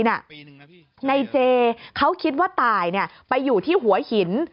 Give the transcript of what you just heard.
นายเจเขาคิดว่าตายไปอยู่ที่หัวหิน